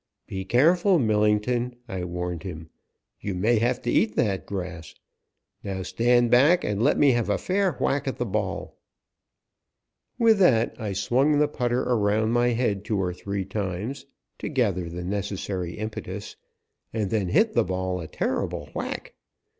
"Be careful, Millington," I warned him. "You may have to eat that grass. Now, stand back and let me have a fair whack at the ball." With that I swung the putter around my head two or three times, to gather the necessary impetus, and then hit the ball a terrible whack.